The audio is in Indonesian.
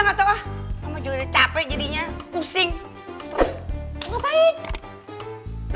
enggak tahu ah mau juga capek jadinya pusing ngapain